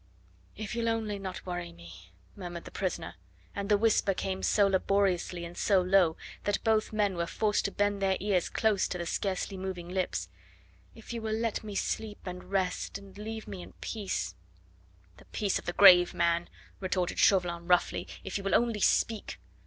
"If you'll only not worry me," murmured the prisoner; and the whisper came so laboriously and so low that both men were forced to bend their ears close to the scarcely moving lips; "if you will let me sleep and rest, and leave me in peace " "The peace of the grave, man," retorted Chauvelin roughly; "if you will only speak.